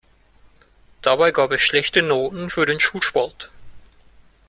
Dabei gab es schlechte Noten für den Schulsport.